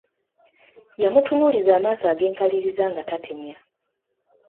Yamutunuuliza amaaso ag’enkaliriza nga tatemya.